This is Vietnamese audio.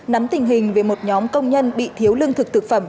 nắm tình hình về một nhóm công nhân bị thiếu lương thực thực phẩm